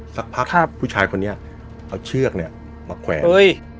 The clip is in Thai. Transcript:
สักพักครับผู้ชายคนนี้เขาเชือกเนี้ยมาแขวนเอ้ย